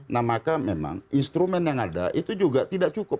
nah maka memang instrumen yang ada itu juga tidak cukup